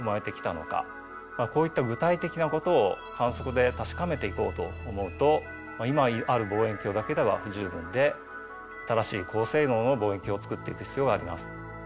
こういった具体的なことを観測で確かめていこうと思うと今ある望遠鏡だけでは不十分で新しい高性能の望遠鏡を作っていく必要があります。